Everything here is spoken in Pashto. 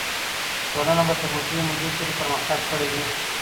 ټولنه به تر اوږدې مودې پورې پرمختګ کړی وي.